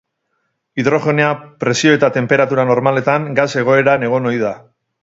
Hidrogenoa, presio eta temperatura normaletan, gas-egoeran egon ohi da.